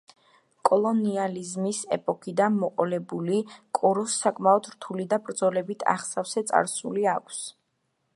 კოლონიალიზმის ეპოქიდან მოყოლებული, კოროს საკმაოდ რთული და ბრძოლებით აღსავსე წარსული აქვს.